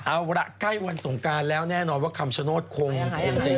เอาล่ะใกล้วันสงการแล้วแน่นอนว่าคำชโนธคงจะ